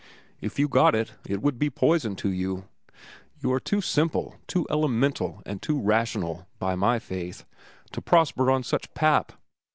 If you got it, it would be poison to you. You are too simple, too elemental, and too rational, by my faith, to prosper on such pap.